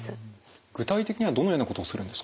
具体的にはどのようなことをするんですか？